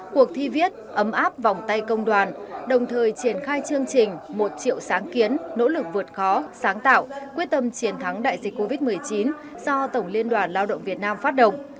cuộc thi viết ấm áp vòng tay công đoàn đồng thời triển khai chương trình một triệu sáng kiến nỗ lực vượt khó sáng tạo quyết tâm chiến thắng đại dịch covid một mươi chín do tổng liên đoàn lao động việt nam phát động